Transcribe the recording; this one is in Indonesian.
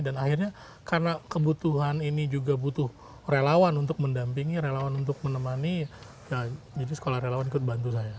dan akhirnya karena kebutuhan ini juga butuh relawan untuk mendampingi relawan untuk menemani ya jadi sekolah relawan ikut bantu saya